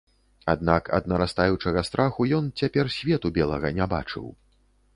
Аднак ад нарастаючага страху ён цяпер свету белага не бачыў.